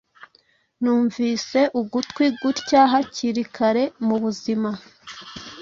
numvise ugutwi gutya hakiri kare mubuzima